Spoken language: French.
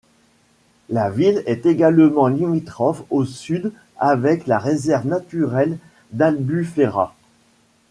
La ville est également limitrophe au sud avec la Réserve naturelle d'Albufera.